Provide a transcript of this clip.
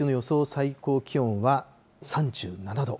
最高気温は３７度。